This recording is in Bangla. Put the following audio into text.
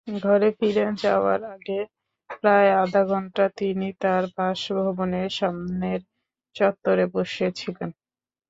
ঘরে ফিরে যাওয়ার আগে প্রায় আধাঘন্টা তিনি তাঁর বাসভবনের সামনের চত্বরে বসেছিলেন।